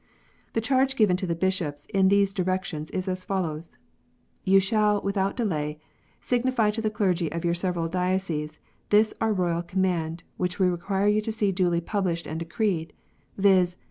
The charge given to the Bishops in these directions is as follows :" You shall, without delay, signify to the clergy of your several dioceses this our Eoyal command, which we require you to see duly published and decreed : viz.